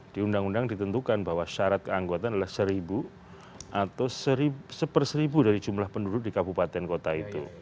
di undang undang ditentukan bahwa syarat keanggotaan adalah seribu atau seper seribu dari jumlah penduduk di kabupaten kota itu